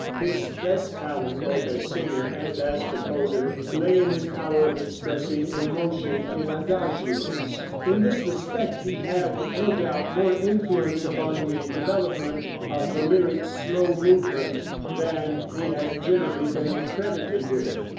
His best talent both as singer and as composer lay in his power of expressing emotion in adagios. In this respect he had, no doubt, more influence upon the development of the lyric slow movement than he has generally been credited with.